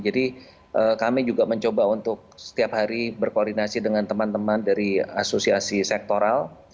jadi kami juga mencoba untuk setiap hari berkoordinasi dengan teman teman dari asosiasi sektoral